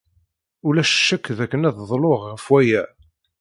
Ulac ccek dakken ad dluɣ ɣef waya.